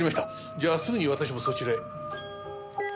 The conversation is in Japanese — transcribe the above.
じゃあすぐに私もそちらへ。